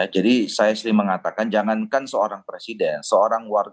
jadi saya sendiri mengatakan jangankan seorang presiden seorang warga